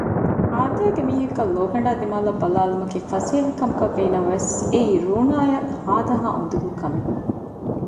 އާދައިގެ މީހަކަށް ލޯގަނޑާ ދިމާއަށް ބަލާލުމަކީ ފަސޭހަކަމަކަށް ވީނަމަވެސް އެއީ ރޫނާއަށް ހާދަހާ އުނދަގޫ ކަމެއް